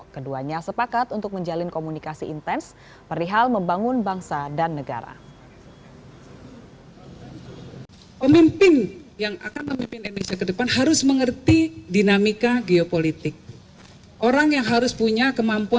keduanya sepakat untuk menjalin komunikasi intens perihal membangun bangsa dan negara